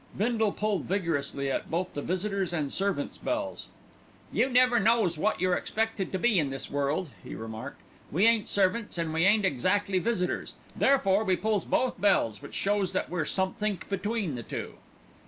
Bindle pulled vigorously at both the visitors' and the servants' bells. "You never knows wot you're expected to be in this world," he remarked. "We ain't servants and we ain't exactly visitors, therefore we pulls both bells, which shows that we're somethink between the two."